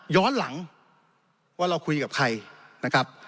ย้อนหลังว่าเราคุยกับใครนะครับ